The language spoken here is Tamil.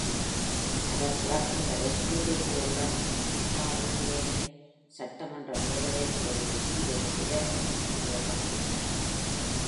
அவர் இறக்கும் வரை கியூபெக்கிலுள்ள மொன்டார்வில்லேவின் சட்டமன்ற மேலவைப் பிரிவைப் பிரதிநிதித்துவப்படுத்தினார்.